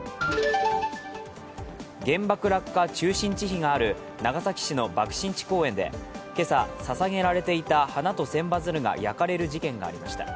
原爆落下中心地碑がある長崎市の爆心地公園で今朝、ささげられていた花と千羽鶴が焼かれる事件がありました。